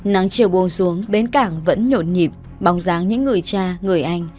nắng chiều buồng xuống bến cảng vẫn nhộn nhịp bóng dáng những người cha người anh